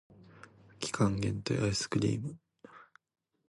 期間限定アイスクリーム